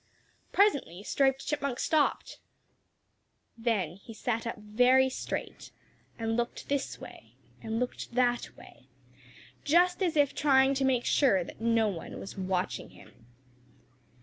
Presently Striped Chipmunk stopped. Then he sat up very straight and looked this way and looked that way, just as if trying to make sure that no one was watching him.